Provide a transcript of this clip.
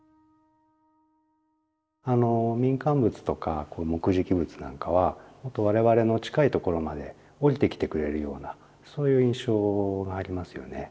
あの民間仏とか木喰仏なんかはほんと我々の近いところまでおりてきてくれるようなそういう印象がありますよね。